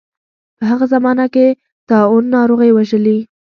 په هغه زمانه کې طاعون ناروغۍ وژلي.